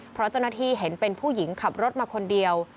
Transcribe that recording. เพราะเจ้าหน้าที่เห็นเป็นผู้หญิงขับรถมาคนเดียว